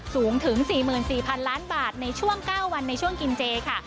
สูงถึง๔๔๐๐๐ล้านบาทในช่วง๙วันในช่วงกินเจค่ะ